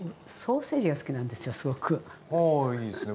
あいいですね